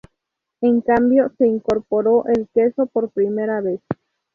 En cambio, se incorporó el queso por primera vez.